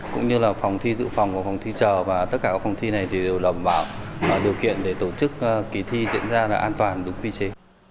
cũng như là phòng thi dự phòng và phòng thi trò và tất cả phòng thi này đều đồng bảo điều kiện để tổ chức kỳ thi diễn ra an toàn đúng quy chế